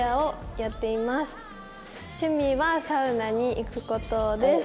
趣味はサウナに行く事です。